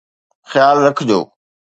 خيال رکجو